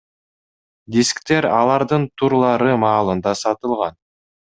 Дисктер алардын турлары маалында сатылган.